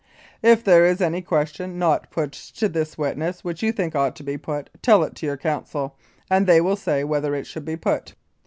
If there is any question not put to this witness which you think ought to be put, tell it to your counsel, and they will say whether it should be put.